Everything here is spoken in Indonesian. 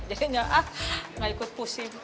jadinya gak ikut pusing